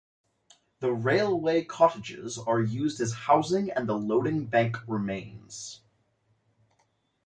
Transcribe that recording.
The railway cottages are used as housing and the loading Bank remains.